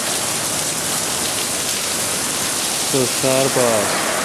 سو ݭر پا آس۔